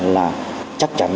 là chắc chắn